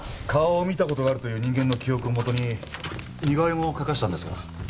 顔を見たことがあるという人間の記憶を基に似顔絵も描かせたんですが。